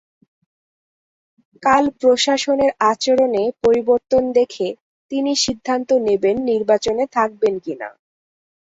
কাল প্রশাসনের আচরণে পরিবর্তন দেখে তিনি সিদ্ধান্ত নেবেন নির্বাচনে থাকবেন কিনা।